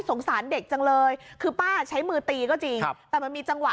สงสารเด็กจังเลยคือป้าใช้มือตีก็จริงแต่มันมีจังหวะ